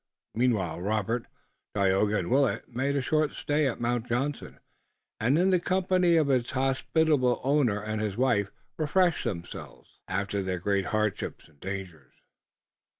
Meanwhile Robert, Tayoga and Willet made a short stay at Mount Johnson, and in the company of its hospitable owner and his wife refreshed themselves after their great hardships and dangers.